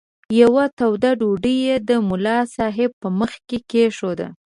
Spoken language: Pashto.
یوه توده ډوډۍ یې د ملا صاحب په مخ کې کښېښوده.